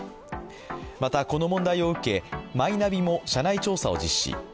また、この問題を受け、マイナビも社内調査を実施。